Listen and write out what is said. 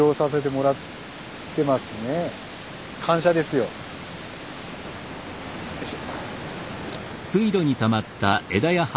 よいしょ。